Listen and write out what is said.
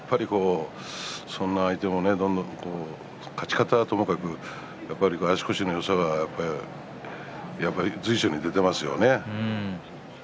そういう相手もどんどん勝ち方はともかく足腰のよさが随所に出ていますね。